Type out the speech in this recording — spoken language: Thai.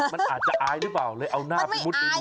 มันอาจจะอายหรือเปล่าเลยเอาหน้าไปมุดไปดู